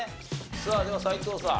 さあでは斎藤さん。